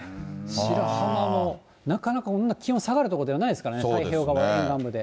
白浜も、なかなかそんな気温下がる所ではないですからね、太平洋側、沿岸部で。